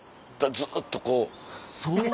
ずっとこう。